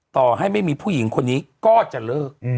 ต่อให้ไม่มีผู้หญิงคนนี้ก็จะเลิก